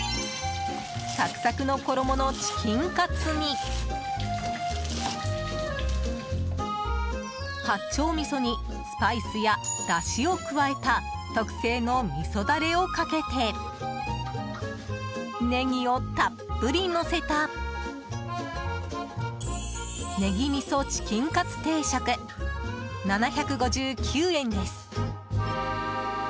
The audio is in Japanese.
サクサクの衣のチキンカツに八丁みそにスパイスや、だしを加えた特製のみそダレをかけてネギをたっぷりのせたねぎ味噌チキンカツ定食７５９円です。